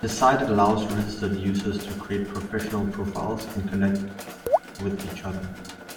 The site allows registered users to create professional profiles and connect with each other.